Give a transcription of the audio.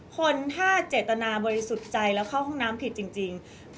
คนถ้าเจตนาบริสุทธิ์ใจแล้วเข้าห้องน้ำผิดจริง